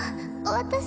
私。